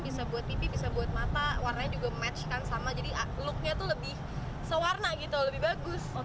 bisa buat pipi bisa buat mata warnanya juga match kan sama jadi looknya tuh lebih sewarna gitu lebih bagus